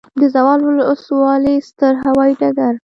د زاول وسلوالی ستر هوایي ډګر